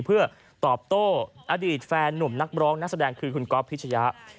เพื่อตอบโต้อดีตแฟนหนุ่มนักร้องนักแสดงคือคุณก๊อฟพิชยะ